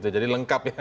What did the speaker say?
jadi lengkap ya